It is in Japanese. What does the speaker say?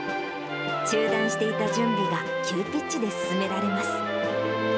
中断していた準備が急ピッチで進められます。